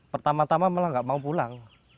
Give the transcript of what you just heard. pertama tama malah nggak mau pulang